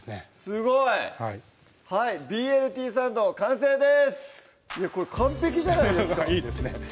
すごいはい「ＢＬＴサンド」完成ですこれ完璧じゃないですかいいですね